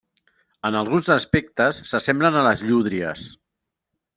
En alguns aspectes s'assemblen a les llúdries.